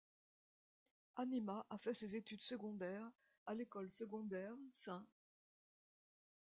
Anima a fait ses études secondaires à l'école secondaire St.